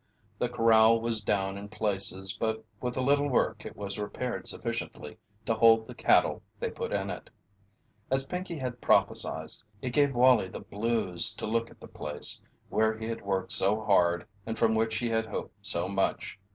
The corral was down in places, but with a little work it was repaired sufficiently to hold the cattle they put in it. As Pinkey had prophesied, it gave Wallie the "blues" to look at the place where he had worked so hard and from which he had hoped so much.